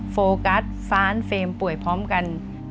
โฟกัสฟ้านเฟรมป่วยพร้อมกัน